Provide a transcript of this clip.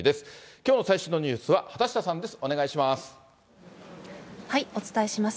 きょうの最新のニュースは畑下さんです。